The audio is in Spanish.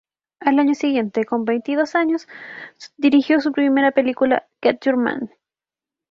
Al año siguiente, con veintidós años, dirigió su primera película, "Get Your Man".